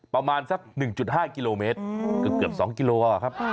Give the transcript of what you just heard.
ประมาณสัก๑๕กิโลเมตรเกือบ๒กิโลครับ